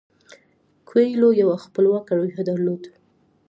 کویلیو یوه خپلواکه روحیه درلوده.